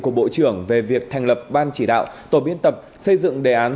của bộ trưởng về việc thành lập ban chỉ đạo tổ biên tập xây dựng đề án